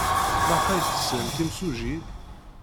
Maɣef ay tesrimt imsujji?